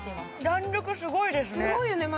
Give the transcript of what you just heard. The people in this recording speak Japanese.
弾力すごいよね。